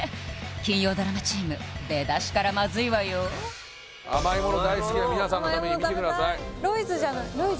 金曜ドラマチーム出だしからマズいわよ甘いもの大好きな皆さんのために見てくださいＲＯＹＣＥ’？ＲＯＹＣＥ